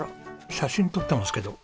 写真撮ってますけど。